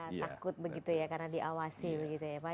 ya takut begitu ya karena diawasi begitu ya pak